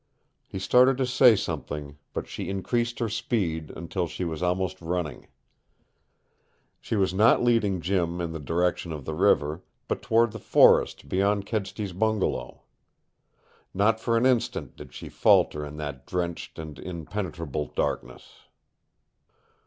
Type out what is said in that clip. He started to say something, but she increased her speed until she was almost running. She was not leading Jim in the direction of the river, but toward the forest beyond Kedsty's bungalow. Not for an instant did she falter in that drenched and impenetrable darkness.